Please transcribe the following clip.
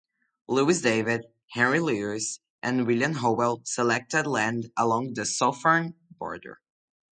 Lewis David, Henry Lewis and William Howell selected land along the southern border.